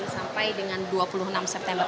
sampai dengan dua puluh enam september